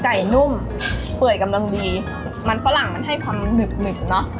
ไก่นุ่มเปื่อยกำลังดีมันฝรั่งมันให้ความหนึบหึบเนอะ